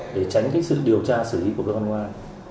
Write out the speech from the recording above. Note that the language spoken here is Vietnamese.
để tránh cái sự điều tra xử lý của các con ngoài